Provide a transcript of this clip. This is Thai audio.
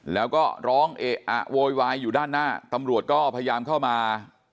แล้วก็ร้องเอะอะโวยวายอยู่ด้านหน้าตำรวจก็พยายามเข้ามา